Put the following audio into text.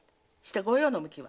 ご用の向きは？